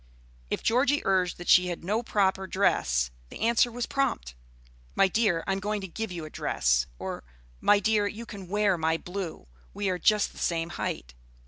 If Georgie urged that she had no proper dress, the answer was prompt, "My dear, I am going to give you a dress;" or, "My dear, you can wear my blue, we are just the same height."